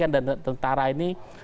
dan tentara ini